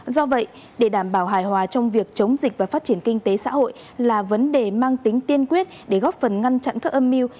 do vậy để đảm bảo hài hòa trong việc chống dịch và phát triển kinh tế xã hội là vấn đề mang tính tiên quyết để góp phần ngăn chặn các âm mưu